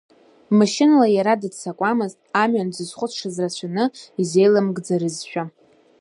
Машьынала иара дыццакуамызт, амҩан дзызхәыцшаз рацәаны изеиламгӡарызшәа.